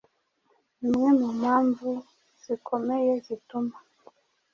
Imwe mu mpamvu zikomeye zituma